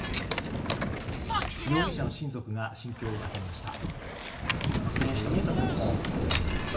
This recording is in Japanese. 容疑者の親族が心境を語りました。